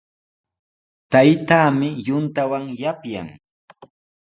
Taytaami yuntawan yapyan.